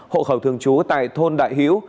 hộ khẩu thường trú tại thôn đại hiếu